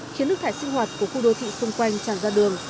khiến nước thải sinh hoạt của khu đô thị xung quanh tràn ra đường